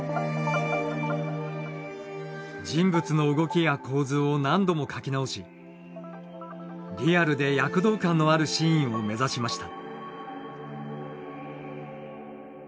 人物の動きや構図を何度も描き直しリアルで躍動感のあるシーンを目指しました。